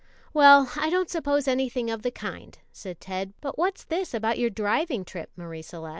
"Well, I don't suppose anything of the kind," said Ted, "but what's this about your driving trip, Marie Celeste?"